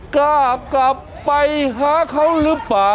กล้ากลับไปหาเขาหรือเปล่า